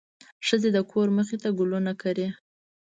ښځې د کور مخ ته ګلونه کري.